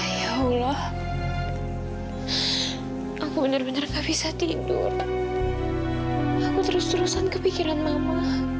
ya allah aku bener bener gak bisa tidur aku terus terusan kepikiran mama